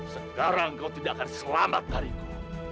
sekarang kau tidak akan selamat dariku